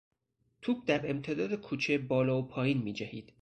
توپ در امتداد کوچه بالا و پایین میجهید.